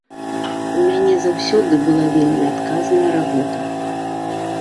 У мяне заўсёды была вельмі адказная работа.